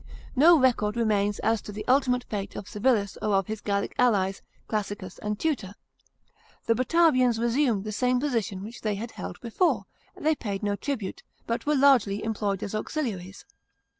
No record remains as to the ultimate fate of Civilis or of his Gallic allies, Classicus and Tutor. The Batavians resumed the same position which they had held before ; they paid no tribute, but were largely employed as auxiliaries.